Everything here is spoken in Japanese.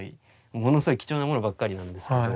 ものすごい貴重なものばっかりなんですけど。